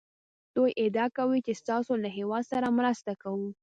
دوی ادعا کوي چې ستاسو له هېواد سره مرسته کوو